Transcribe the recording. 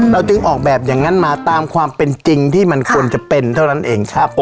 จึงออกแบบอย่างนั้นมาตามความเป็นจริงที่มันควรจะเป็นเท่านั้นเองครับ